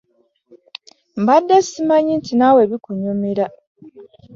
Mbadde ssimanyi nti naawe bikunyumira.